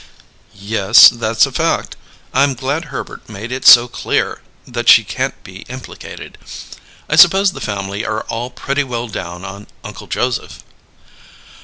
"Yes, that's a fact. I'm glad Herbert made it so clear that she can't be implicated. I suppose the family are all pretty well down on Uncle Joseph?"